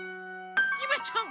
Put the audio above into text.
ゆめちゃん